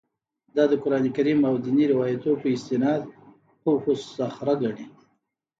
دا د قران کریم او دیني روایتونو په استناد قبه الصخره ګڼي.